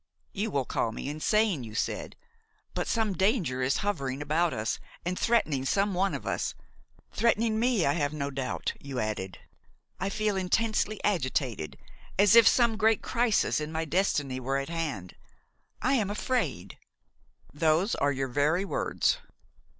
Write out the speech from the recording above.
'You will call me insane,' you said, 'but some danger is hovering about us and threatening some one of us–threatening me, I have no doubt,' you added; 'I feel intensely agitated, as if some great crisis in my destiny were at hand–I am afraid!' Those are your very words."